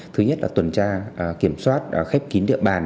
thứ nhất là tuần tra kiểm soát khép kín địa bàn